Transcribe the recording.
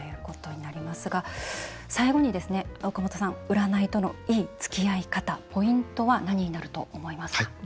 最後に占いとの、いいつきあい方ポイントは何になると思いますか？